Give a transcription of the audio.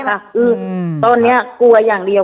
ใช่กลัวค่ะตอนนี้กลัวอย่างเดียว